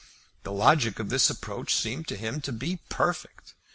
The logic of this argument seemed to him to be perfect.